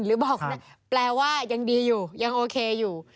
หรือบอกแปลว่ายังดีอยู่ยังโอเคอยู่